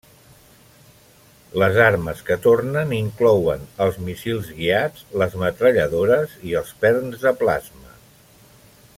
Les armes que tornen inclouen els míssils guiats, les metralladores i els perns de plasma.